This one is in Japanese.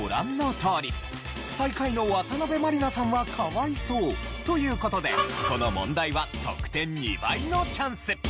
最下位の渡辺満里奈さんは可哀想という事でこの問題は得点２倍のチャンス！